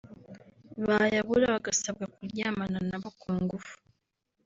bayabura bagasabwa kuryamana na bo ku ngufu